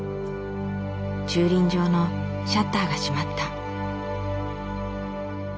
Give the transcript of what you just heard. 駐輪場のシャッターが閉まった。